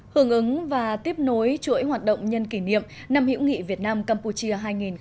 hưởng ứng và tiếp nối chuỗi hoạt động nhân kỷ niệm năm hữu nghị việt nam campuchia hai nghìn một mươi chín